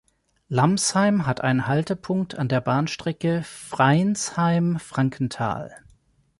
Lambsheim hat einen Haltepunkt an der Bahnstrecke Freinsheim–Frankenthal.